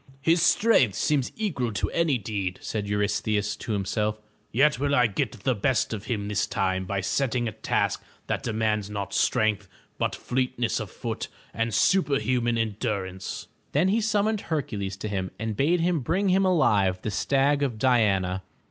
"His strength seems equal to any deed," said Eurystheus to 427 MY BOOK HOUSE himself, '*yet will I get the best of him this time by setting a task that demands not strength, but fleetness of foot, and superhimian endurance." Then he siunmoned Hercules to him and bade him bring him alive the stag of Di an'a.